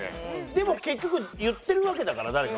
でも結局言ってるわけだから誰かが。